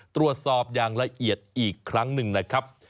ตรวจสอบอย่างละเอียดอีกครั้งหนึ่งนะครับ